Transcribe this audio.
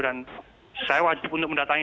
dan saya wajib untuk mendatangi